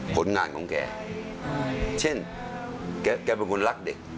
ผลงานของแกเช่นแกเป็นคนรักเด็ก